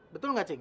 betul ga cing